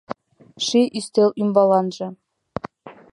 Ший ӱстел ӱмбаланже